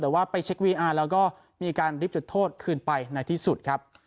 แต่ว่าไปเช็ควีอาร์แล้วก็มีการรีบจุดโทษคืนไปในที่สุดครับ